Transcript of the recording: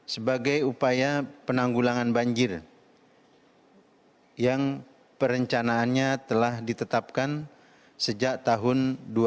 sebagai upaya penanggulangan banjir yang perencanaannya telah ditetapkan sejak tahun dua ribu dua